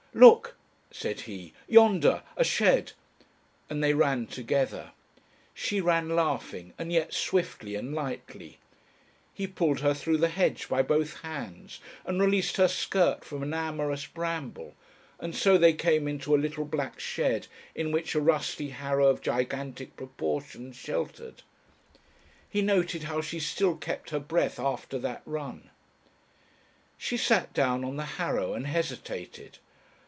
"Look!" said he. "Yonder! A shed," and they ran together. She ran laughing, and yet swiftly and lightly. He pulled her through the hedge by both hands, and released her skirt from an amorous bramble, and so they came into a little black shed in which a rusty harrow of gigantic proportions sheltered. He noted how she still kept her breath after that run. She sat down on the harrow and hesitated.